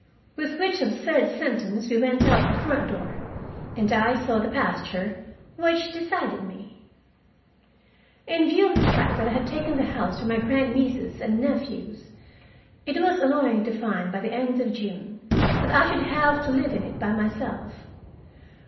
With which absurd sentence we went out the front door, and I saw the pasture, which decided me. In view of the fact that I had taken the house for my grandnieces and nephews, it was annoying to find, by the end of June, that I should have to live in it by myself.